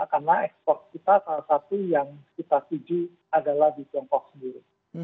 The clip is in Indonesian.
karena ekspor kita salah satu yang kita tuju adalah di tiongkok sendiri